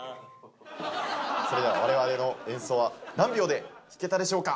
それでは我々の演奏は何秒で弾けたでしょうか？